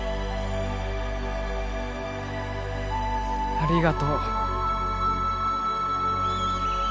ありがとう。